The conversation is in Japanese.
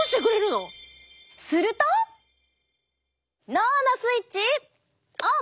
脳のスイッチオン！